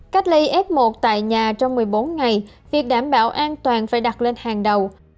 cách ly f một tại nhà trong một mươi bốn ngày việc đảm bảo an toàn phải đặt lên hàng đầu